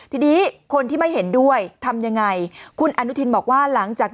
ทีนี้คนที่ไม่เห็นด้วยทำยังไงคุณอนุทินบอกว่าหลังจาก